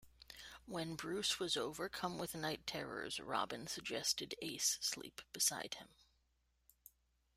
When Bruce was overcome with night terrors, Robin suggested Ace sleep beside him.